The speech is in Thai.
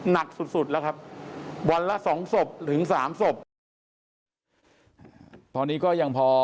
หนักสุดสุดแล้วครับวันละสองศพถึงสามศพตอนนี้ก็ยังพอ